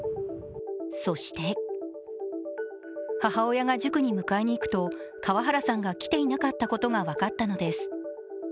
そして、母親が塾に迎に行くと川原さんが来ていなかったことが分かったんです。